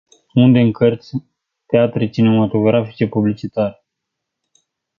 Unde - în cărți, teatre, cinematografe, publicitate?